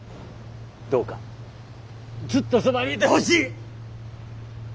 どうかずっとそばにいてほしい！